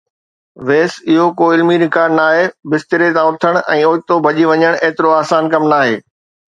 ويس، اهو ڪو علمي رڪارڊ نه آهي، بستري تان اٿڻ ۽ اوچتو ڀڄي وڃڻ ايترو آسان ڪم ناهي.